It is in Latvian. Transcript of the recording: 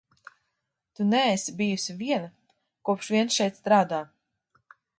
Tu neesi bijusi viena, kopš vien šeit strādā.